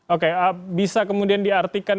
oke bisa kemudian diartikan